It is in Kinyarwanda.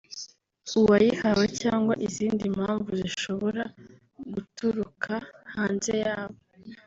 uwayihawe cyangwa izindi mpamvu zishobora guturaka hanze yabo